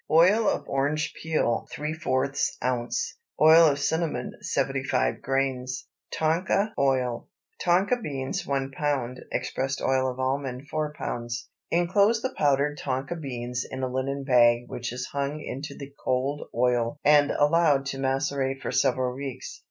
Oil of orange peel ¾ oz. Oil of cinnamon 75 grains. TONKA OIL. Tonka beans 1 lb. Expressed oil of almond 4 lb. Inclose the powdered tonka beans in a linen bag, which is hung into the cold oil and allowed to macerate for several weeks.